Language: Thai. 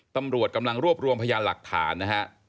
ตำรวจกำลังรวบรวมพยานหลักฐานนะฮะ